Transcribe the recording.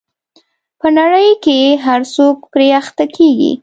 په نړۍ کې هر څوک پرې اخته کېږي.